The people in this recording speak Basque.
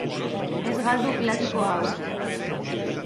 Ez galdu klasiko hau!